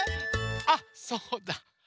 あっそうだ！